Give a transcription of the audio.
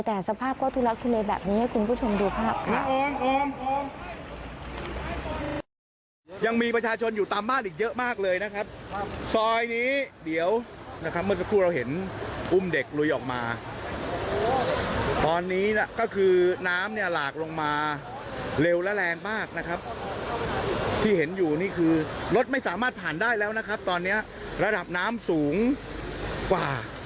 แต่สภาพก็ธุระเครียดแบบนี้ให้คุณผู้ชมดูค่ะ